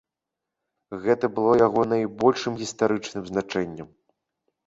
Гэта было яго найбольшым гістарычным значэннем.